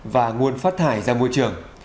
và nguồn phát thải ra môi trường